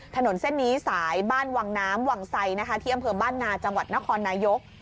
ถนนเส้นนี้สายบ้านวังน้ำวังไซนะคะที่อำเภอบ้านนาจังหวัดนครนายก